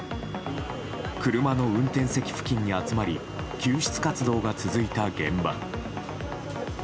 車の運転席付近に集まり救出活動が続いた現場。